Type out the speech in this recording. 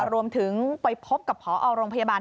รวมถึงไปพบกับพอโรงพยาบาล